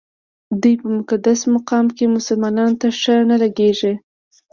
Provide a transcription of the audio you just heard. دوی په مقدس مقام کې مسلمانانو ته ښه نه لګېږي.